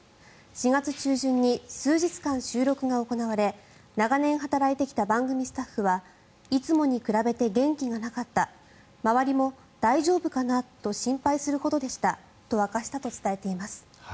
４月中旬に数日間収録が行われ長年働いてきた番組スタッフはいつもに比べて元気がなかった周りも大丈夫かなと心配するほどでしたと明かしたと伝えています。